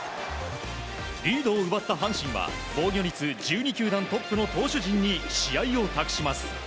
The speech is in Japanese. リードを奪った阪神は防御率１２球団トップの投手陣に試合を託します。